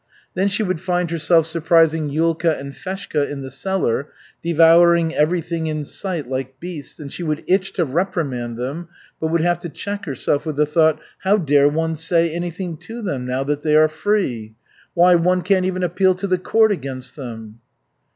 Then she would find herself surprising Yulka and Feshka in the cellar, devouring everything in sight, like beasts, and she would itch to reprimand them, but would have to check herself with the thought, "How dare one say anything to them, now that they are free? Why one can't even appeal to the court against them!"